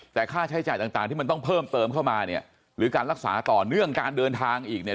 แต่ค่าใช้จ่ายต่างที่มันต้องเพิ่มเติมเข้ามาเนี่ยหรือการรักษาต่อเนื่องการเดินทางอีกเนี่ย